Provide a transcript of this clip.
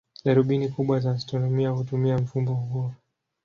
Darubini kubwa za astronomia hutumia mfumo huo.